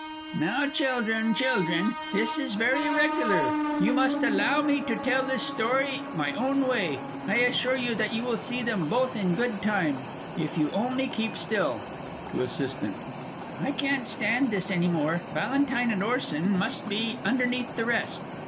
_) Now, children, children! this is very irregular. You must allow me to tell this story my own way. I assure you that you will see them both in good time, if you only keep still! (To ASS.) I can't stand this any more Valentine and Orson must be underneath the rest.